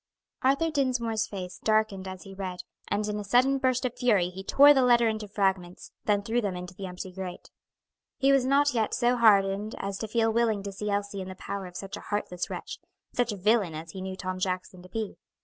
Arthur Dinsmore's face darkened as he read, and in a sudden burst of fury he tore the letter into fragments, then threw them into the empty grate. He was not yet so hardened as to feel willing to see Elsie in the power of such a heartless wretch, such a villain as he knew Tom Jackson to be.